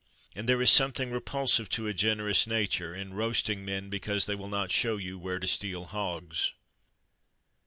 And there is something repulsive to a generous nature in roasting men because they will not show you where to steal hogs."